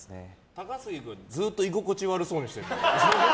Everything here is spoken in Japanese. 高杉君、ずっと居心地悪そうにしてる。